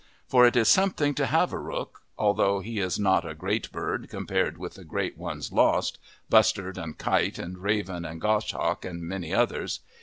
For it is something to have a rook, although he is not a great bird compared with the great ones lost bustard and kite and raven and goshawk, and many others.